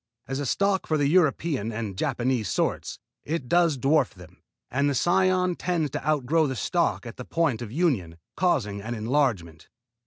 As a stock for the European and Japanese sorts, it does dwarf them, and the cion tends to outgrow the stock at the point of union, causing an enlargement.